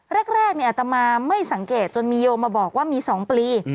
แรกอัตมาไม่สังเกตจนมีโยมมาบอกว่ามี๒ปลี